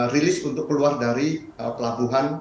rilis untuk keluar dari pelabuhan